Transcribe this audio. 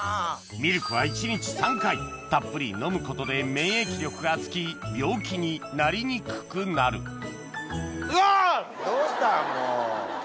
ミルクは一日３回たっぷり飲むことで免疫力がつき病気になりにくくなるどうした？